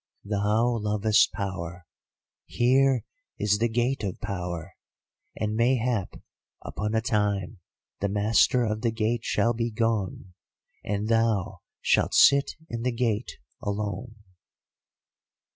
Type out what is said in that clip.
Thou lovest power; here is the gate of power, and mayhap upon a time the master of the gate shall be gone and thou shalt sit in the gate alone.